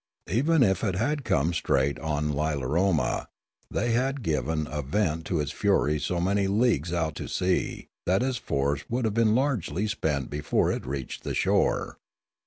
Even if it had come straight on Lilaroma, they had given a vent to its fury so many leagues out to sea that its force would have been largely spent before it reached the shore.